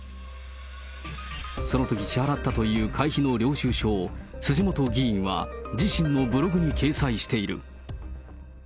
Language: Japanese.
そのとき支払ったという会費の領収書を、辻元議員は自身のブログに掲載している。